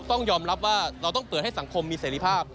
ต้องยอมรับว่าเราต้องเปิดให้สังคมมีเสรีภาพ